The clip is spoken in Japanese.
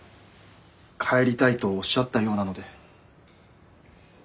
帰りたいとおっしゃったようなので。